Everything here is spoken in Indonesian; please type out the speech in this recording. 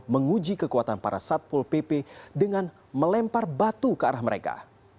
menguji kekuatan para satpol pp dengan melempar batu ke arah mereka